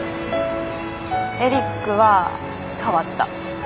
エリックは変わった。